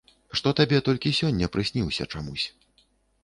Што табе толькі сёння прысніўся чамусь.